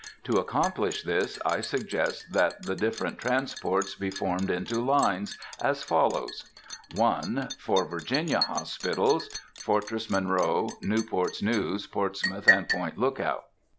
To accomplish this, I suggest that the different transports be formed into lines, as follows:— 1. For Virginia hospitals. (Fortress Monroe, Newport's News, Portsmouth, and Point Lookout.)